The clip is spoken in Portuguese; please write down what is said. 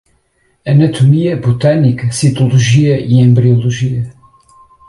Anatomia, botânica, citologia e embriologia